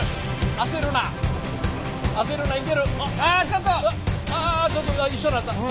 あっあちょっと一緒になった。